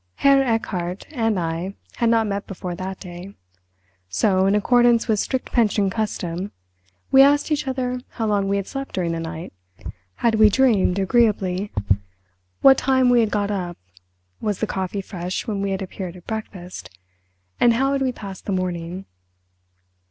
Herr Erchardt and I had not met before that day, so, in accordance with strict pension custom, we asked each other how long we had slept during the night, had we dreamed agreeably, what time we had got up, was the coffee fresh when we had appeared at breakfast, and how had we passed the morning.